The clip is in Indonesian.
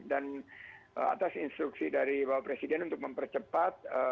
dan atas instruksi dari bapak presiden untuk mempercepat